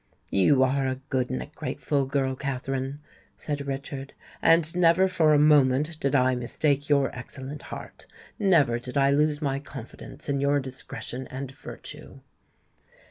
"You are a good and a grateful girl, Katherine," said Richard; "and never for a moment did I mistake your excellent heart—never did I lose my confidence in your discretion and virtue."